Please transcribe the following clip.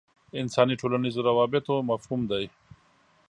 انساني ټولنیزو روابطو مفهوم دی.